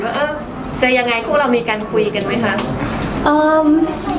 ว่าจะยังไงพวกเรามีการคุยกันไหมคะ